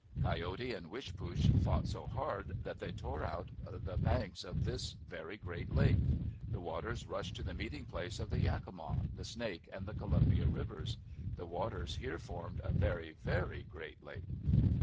Coyote and Wishpoosh fought so hard that they tore out the banks of this very great lake. The waters rushed to the meeting place of the Yakima, the Snake, and the Columbia Rivers. The waters here formed a very, very great lake.